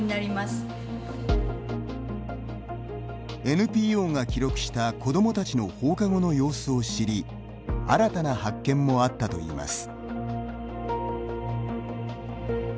ＮＰＯが記録した子どもたちの放課後の様子を知り新たな発見もあったといいます。